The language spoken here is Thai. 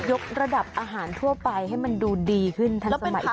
กระดับอาหารทั่วไปให้มันดูดีขึ้นทันสมัย